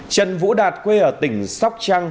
trần vũ đạt quê ở tỉnh sóc trăng